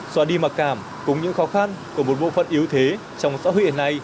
xóa đi mặc cảm cùng những khó khăn của một bộ phận yếu thế trong xã hội hiện nay